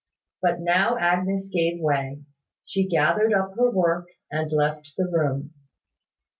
But now Agnes gave way. She gathered up her work, and left the room.